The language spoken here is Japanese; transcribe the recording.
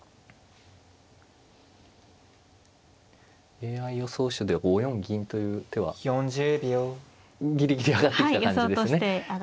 ＡＩ予想手で５四銀という手はギリギリ挙がってきた感じですね。